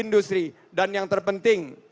dan yang terpenting